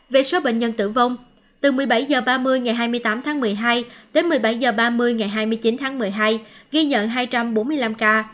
về số bệnh nhân tử vong từ một mươi bảy h ba mươi ngày hai mươi tám tháng một mươi hai đến một mươi bảy h ba mươi ngày hai mươi chín tháng một mươi hai ghi nhận hai trăm bốn mươi năm ca